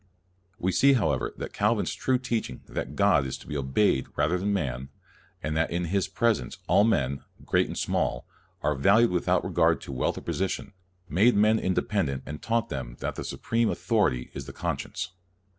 We see, however, that Calvin's true teaching that God is to be obeyed rather than man, and that in His presence all men, great and small, are valued without regard to wealth or position, made men independent and taught them that the su preme authority is the conscience.